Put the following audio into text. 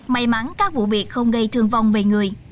may mắn các vụ việc không gây thương vong về người